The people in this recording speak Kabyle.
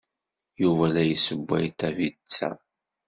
Yuba la d-yessewway tapizza.